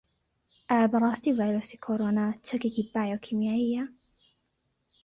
ئایا بەڕاستی ڤایرۆسی کۆرۆنا چەکێکی بایۆکیمیایییە؟